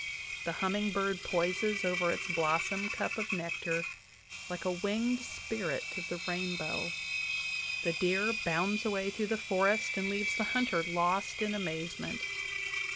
The humming bird poises over its blossom cup of nectar like a winged spirit of the rainbow. The deer bounds away through the forest and leaves the hunter lost in amazement.